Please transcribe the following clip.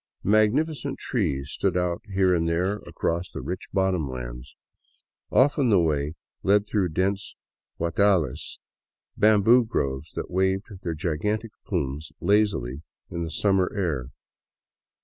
Magnificent trees stood out here and there across the rich bottom lands. Often the way led through dense gaitdales, bamboo groves that waved their gigantic plumes lazily in the summer air.